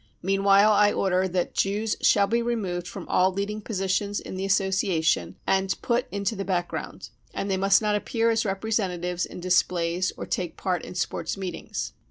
Meanwhile, I order that Jews shall be removed from all leading positions in the association and put into the background ; and they must not appear as representa tives in displays or take part in sports meetings.